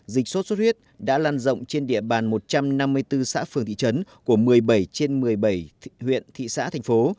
dịch sốt xuất huyết đã lan rộng trên địa bàn một trăm năm mươi bốn xã phường thị trấn của một mươi bảy trên một mươi bảy huyện thị xã thành phố